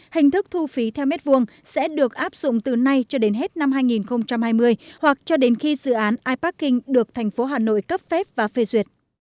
hình thức thu phí theo mét vuông sẽ được áp dụng từ nay cho đến hết năm hai nghìn hai mươi hoặc cho đến khi dự án iparking được thành phố hà nội cấp phép và phê duyệt